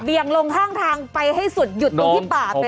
เรียงลงทางทางไปให้สุดหยุดตรงที่ป่าไปเลย